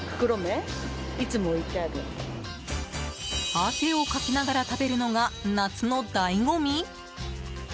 汗をかきながら食べるのが夏の醍醐味？